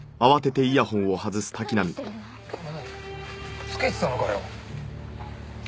お前つけてたのかよ。